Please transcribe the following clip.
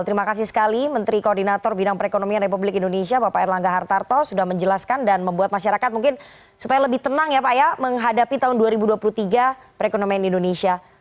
terima kasih sekali menteri koordinator bidang perekonomian republik indonesia bapak erlangga hartarto sudah menjelaskan dan membuat masyarakat mungkin supaya lebih tenang ya pak ya menghadapi tahun dua ribu dua puluh tiga perekonomian indonesia